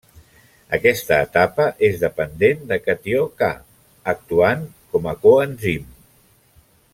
Aquesta etapa és dependent de catió Ca, actuant com a coenzim.